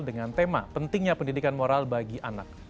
dengan tema pentingnya pendidikan moral bagi anak